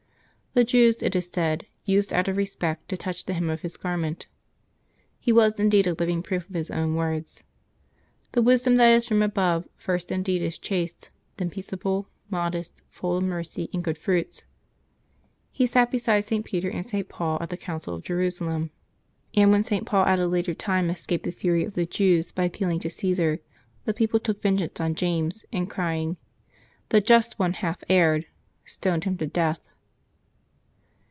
The Jews, it is said, used out of respect to touch the hem of his garment. He was indeed a living proof of his own words, '^ The wisdom that is from above first indeed is chaste, then peaceable, modest, full of mercy and good fruits." He sat beside St. Peter and St. Paul at the Council of Jerusalem; and when St. Paul at a later time escaped the fury of the Jews by appealing to Cssar, the people took vengeance on James, and crying, " The just one hath erred," stoned him to death.